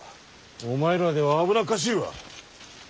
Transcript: お前らでは危なっかしいわ。